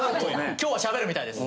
今日は喋るみたいです。